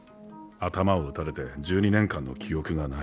頭を撃たれて１２年間の記憶がない。